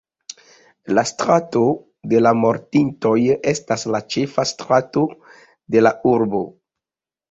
La Strato de la Mortintoj estas la ĉefa strato de la urbo.